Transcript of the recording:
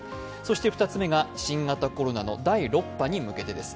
２つ目が、新型コロナの第６波に向けてです。